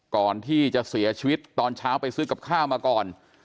ก่อนที่จะเสียชีวิตตอนเช้าไปซื้อกับข้าวมาก่อน